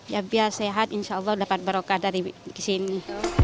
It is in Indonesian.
ya biar sehat insya allah dapat barokah dari sini